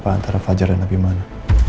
dan apa antara fajar dan nabi mana